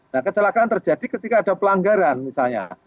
nah kecelakaan terjadi ketika ada pelanggaran misalnya